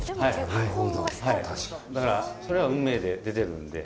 だからそれは運命で出てるんで。